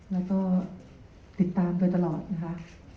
และก็ติดตามด้วยตลอดนะคะ